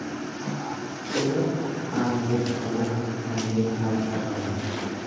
Cibra aangeffamoo, kanneen taayitaa qaban.